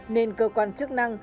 nên cơ quan chức năng